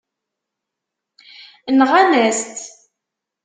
Nɣan-as-tt.